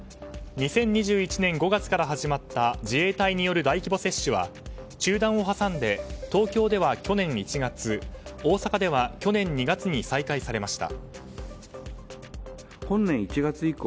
２０２１年５月から始まった自衛隊による大規模接種は中断を挟んで、東京では去年１月大阪では去年２月に再開されました。